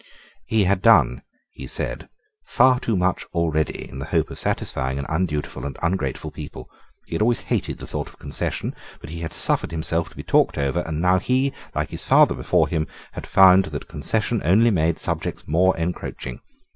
He had done, he said, far too much already in the hope of satisfying an undutiful and ungrateful people. He had always hated the thought of concession: but he had suffered himself to be talked over; and now he, like his father before him, had found that concession only made subjects more encroaching.